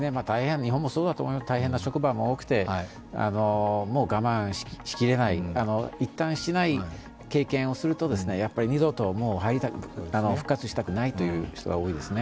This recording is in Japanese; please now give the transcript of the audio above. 日本も大変な職場も多くて、もう我慢しきれない一旦、しない経験をするとやはり二度ともう復活したくないという人は多いですね。